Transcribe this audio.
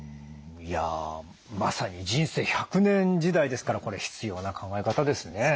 いやまさに人生１００年時代ですからこれ必要な考え方ですね。